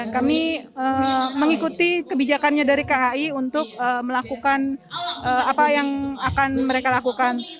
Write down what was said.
kami mengikuti kebijakannya dari kai untuk melakukan apa yang akan mereka lakukan